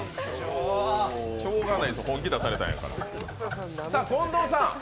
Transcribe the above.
しようがないです、本気出されたんですから。